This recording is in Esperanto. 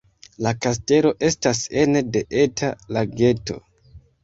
La kastelo estas ene de eta lageto.